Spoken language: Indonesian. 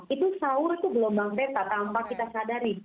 itu sahur itu gelombang peta tanpa kita sadari